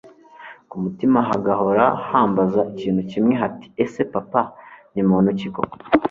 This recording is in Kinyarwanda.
kumutima hagahora hambaza ikintu kimwe hati ese papa ni muntu ki koko!